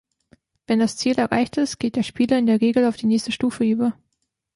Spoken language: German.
Wenn das Ziel erreicht ist, geht der Spieler in der Regel auf die nächste Stufe über.